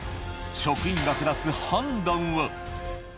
職員が下す判断は？